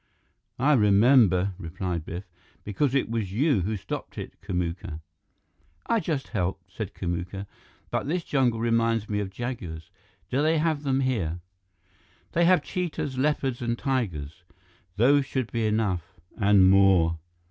"I remember," replied Biff, "because it was you who stopped it, Kamuka." "I just helped," said Kamuka. "But this jungle reminds me of jaguars. Do they have them here?" "They have cheetahs, leopards, and tigers. Those should be enough and more."